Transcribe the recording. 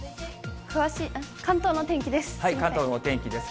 関東の天気です。